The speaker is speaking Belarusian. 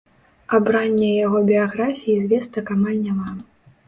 Аб ранняй яго біяграфіі звестак амаль няма.